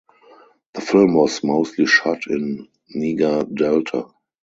The film was mostly shot in Niger Delta.